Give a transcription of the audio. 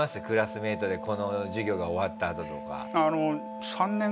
クラスメートでこの授業が終わったあととか。